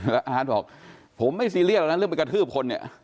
แล้วอาร์ตบอกผมไม่ซีเรียสแล้วนะเรื่องไปกระทืบคนเนี่ย